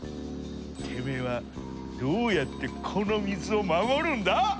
てめえはどうやってこの水を守るんだ？